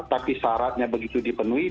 tapi syaratnya begitu dibuat